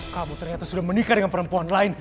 kamu ternyata sudah menikah dengan perempuan lain